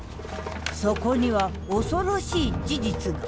そこには恐ろしい事実が。